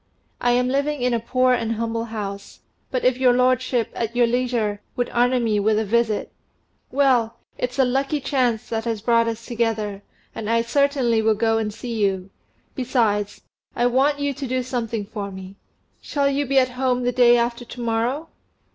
I am living in a poor and humble house; but if your lordship, at your leisure, would honour me with a visit " "Well, it's a lucky chance that has brought us together, and I certainly will go and see you; besides, I want you to do something for me. Shall you be at home the day after to morrow?"